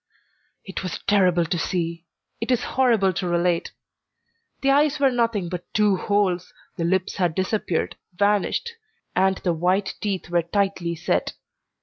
It was terrible to see, it is horrible to relate. The eyes were nothing but two holes, the lips had disappeared, vanished, and the white teeth were tightly set.